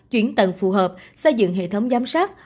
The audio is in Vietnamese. chuyển tầng phù hợp xây dựng hệ thống giám sát